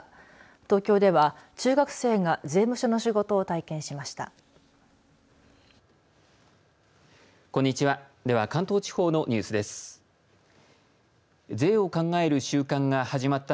東京では、中学生が税務署の仕事を体験しました。